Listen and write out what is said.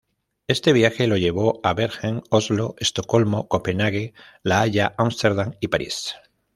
Este viaje lo llevó a Bergen, Oslo, Estocolmo, Copenhague, La Haya, Ámsterdam y París.